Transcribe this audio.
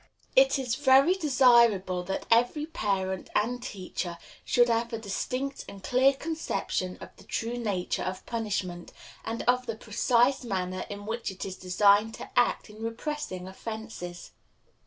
It is very desirable that every parent and teacher should have a distinct and clear conception of the true nature of punishment, and of the precise manner in which it is designed to act in repressing offenses.